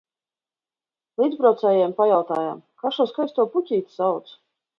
Līdzbraucējiem pajautājām, kā šo skaisto puķīti sauc.